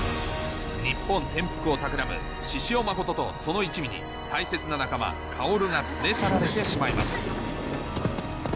日本転覆をたくらむ志々雄真実とその一味に大切な仲間薫が連れ去られてしまいます